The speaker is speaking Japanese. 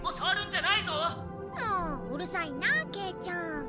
もううるさいなあケイちゃん。